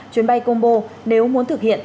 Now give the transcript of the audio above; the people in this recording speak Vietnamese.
chuyến bay combo nếu muốn thực hiện